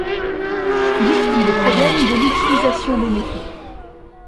Il étudie le problème de l'utilisation des métaux.